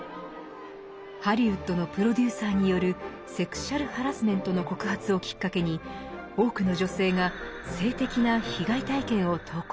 ハリウッドのプロデューサーによるセクシャルハラスメントの告発をきっかけに多くの女性が性的な被害体験を投稿。